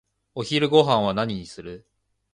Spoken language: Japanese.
お昼ごはんは何にする？